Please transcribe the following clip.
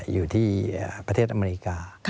อยู่ที่ประเทศอเมริกา